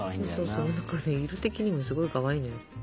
そうそう色的にもすごいかわいいのよ。